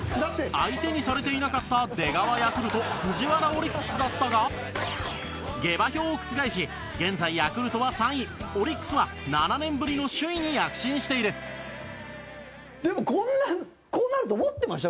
相手にされていなかった出川ヤクルトと藤原オリックスだったが下馬評を覆し現在、ヤクルトは３位オリックスは７年ぶりの首位に躍進しているでも、こうなると思ってました？